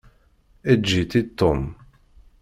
Eǧǧ-itt i Tom.